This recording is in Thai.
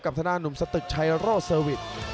กับทนาหนุ่มสตึกชายโรสเซอร์วิท